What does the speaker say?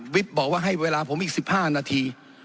วิทย์บอกว่าให้เวลาผมอีกสิบห้านาที